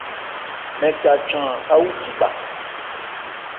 Mɛn ca chan áwúji bha.